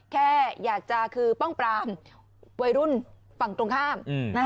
แค่อยากจะคือป้องปรามวัยรุ่นฝั่งตรงข้าม